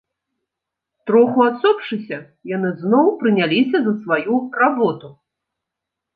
Троху адсопшыся, яны зноў прыняліся за сваю работу.